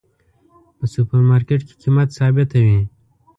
په سوپر مرکیټ کې قیمت ثابته وی